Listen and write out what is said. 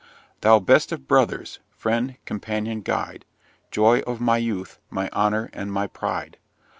Thou best of brothers friend, companion, guide, Joy of my youth, my honour, and my pride!